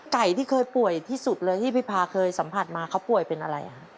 ที่เคยป่วยที่สุดเลยที่พี่พาเคยสัมผัสมาเขาป่วยเป็นอะไรฮะ